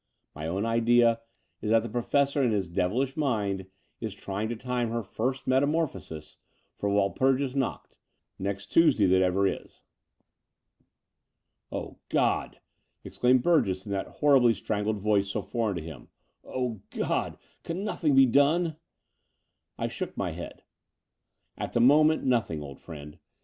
My own idea is that the Professor, in his devilish mind, is trying to time her first meta morphosis for Walpurgis Nacht, next Tuesday that ever is." "Oh, God," exclaimed Burgess in that horribly strangled voice so foreign to him, "oh, God, can nothing be done?" I shook my head. "At the moment nothing, old friend.